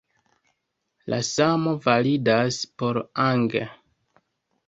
La samo validas por ang.